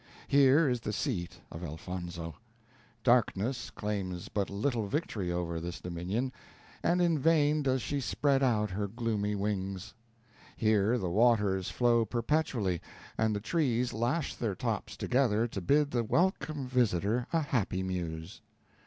Here is the seat of Elfonzo; darkness claims but little victory over this dominion, and in vain does she spread out her gloomy wings. Here the waters flow perpetually, and the trees lash their tops together to bid the welcome visitor a happy muse.